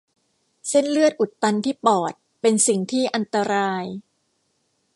เส้นเลือดอุดตันที่ปอดเป็นสิ่งที่อันตราย